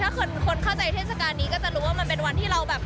ถ้าคนเข้าใจเทศกาลนี้ก็จะรู้ว่ามันเป็นวันที่เราแบบ